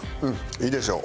いいでしょう。